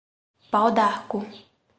Pau-d'Arco